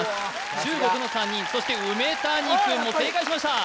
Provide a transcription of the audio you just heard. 中国の３人そして梅谷くんも正解しました